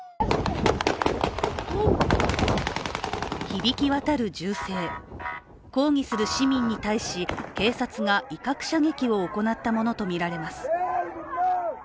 響き渡る銃声、抗議する市民に対し警察が威嚇射撃を行ったものと見られます。